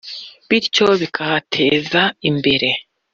bityo bikahateza imbere